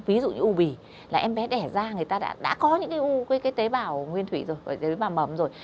ví dụ như u bì là em bé đẻ ra người ta đã có những cái u cái tế bào nguyên thủy rồi tế bào mầm rồi